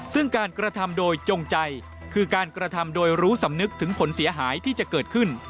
ซึ่งการกระทำโดยจงใจคือการกระทำโดยรู้สำนึกถึงผลเสียหายที่จะเกิดขึ้น